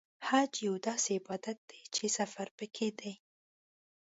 حج یو داسې عبادت دی چې سفر پکې دی.